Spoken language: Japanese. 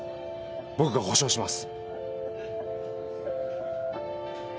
僕が保証します。